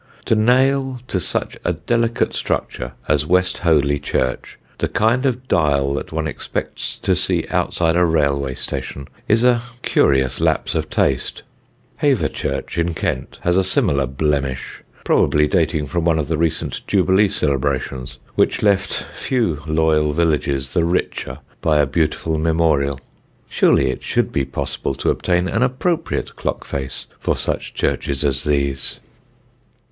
To nail to such a delicate structure as West Hoathly church the kind of dial that one expects to see outside a railway station is a curious lapse of taste. Hever church, in Kent, has a similar blemish, probably dating from one of the recent Jubilee celebrations, which left few loyal villages the richer by a beautiful memorial. Surely it should be possible to obtain an appropriate clock face for such churches as these.